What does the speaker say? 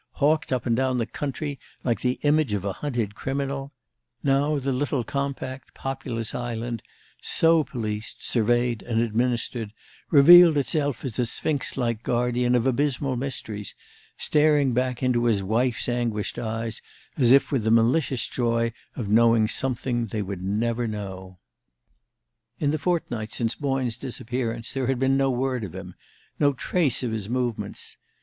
hawked up and down the country like the image of a hunted criminal; now the little compact, populous island, so policed, surveyed, and administered, revealed itself as a Sphinx like guardian of abysmal mysteries, staring back into his wife's anguished eyes as if with the malicious joy of knowing something they would never know! In the fortnight since Boyne's disappearance there had been no word of him, no trace of his movements.